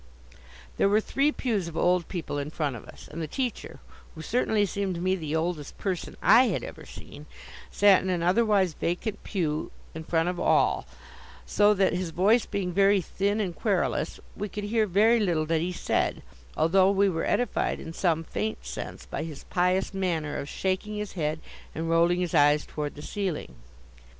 There were three pews of old people in front of us, and the teacher, who certainly seemed to me the oldest person I had ever seen, sat in an otherwise vacant pew in front of all, so that, his voice being very thin and querulous, we could hear very little that he said, although we were edified in some faint sense by his pious manner of shaking his head and rolling his eyes toward the ceiling.